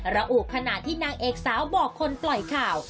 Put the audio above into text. ระอุขณะที่นางเอกสาวบอกคนปล่อยข่าว